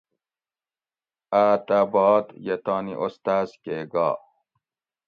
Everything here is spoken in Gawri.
آۤت اۤ باد یہ تانی استاۤز کے گا